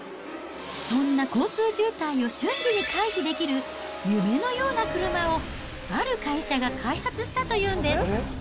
そんな交通渋滞を瞬時に回避できる夢のような車を、ある会社が開発したというんです。